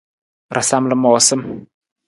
Rasam lamoosam.